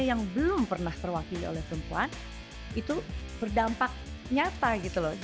yang belum pernah terwakili oleh perempuan itu berdampak nyata gitu loh